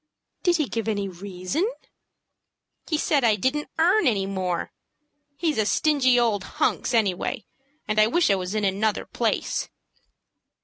"Did he give any reason?" "He said I didn't earn any more. He's a stingy old hunks, any way, and I wish I was in another place."